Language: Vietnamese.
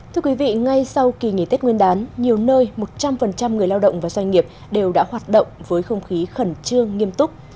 thưa quý vị ngay sau kỳ nghỉ tết nguyên đán nhiều nơi một trăm linh người lao động và doanh nghiệp đều đã hoạt động với không khí khẩn trương nghiêm túc